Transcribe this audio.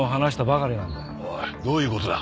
おいどういう事だ？